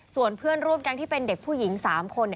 ส่วนเพื่อนร่วมแก๊งที่เป็นเด็กผู้หญิง๓คน